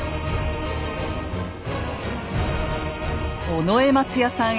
尾上松也さん